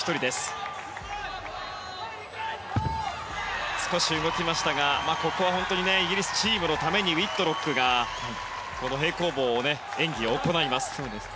着地は少し動きましたがここは本当にイギリスチームのためにウィットロックがこの平行棒の演技を行います。